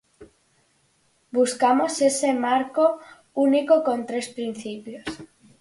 Buscamos ese marco único con tres principios.